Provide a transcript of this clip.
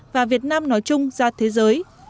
và việt nam nói chung ra thế giới